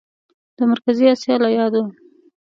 د مرکزي اسیا له یادو